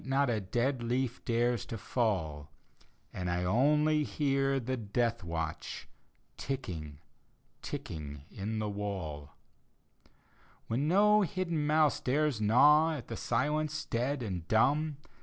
Not 3 dead leaf dares to fall, And I only hear the death watdi Tickii^, ticking in the wall — When no hidden mouse dares gnaw At the silence dead and dumb.